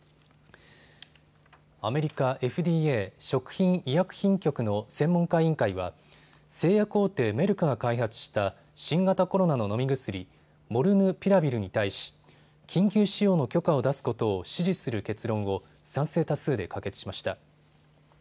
アメリカＦＤＡ・食品医薬品局の専門家委員会は製薬大手、メルクが開発した新型コロナの飲み薬、モルヌピラビルに対し、緊急使用の許可を出すことを支持する結論を賛成多数で可決しました。